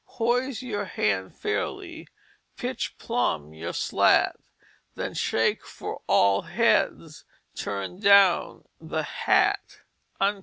"Poise your hand fairly, Pitch plumb your Slat. Then shake for all Heads Turn down the Hat."